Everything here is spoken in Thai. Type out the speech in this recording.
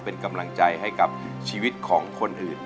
เป็นกำลังใจให้กับชีวิตของคนอื่น